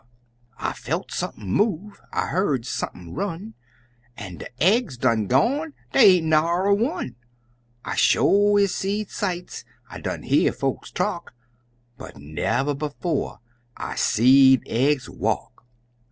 "I felt sump'n move, I hear' sump'n run, An' de eggs done gone dey ain't na'er one! I sho is seed sights, I done hear folks talk But never befo' is I seed eggs walk!"